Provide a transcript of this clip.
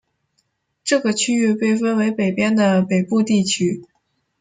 这个区域被分为北边的北部地区。